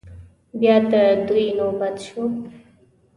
بيا د دوی نوبت شو.